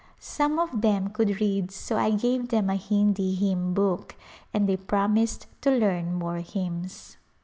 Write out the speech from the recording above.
Some of them could read so I gave them a Hindi hymn book and they promised to learn more hymns.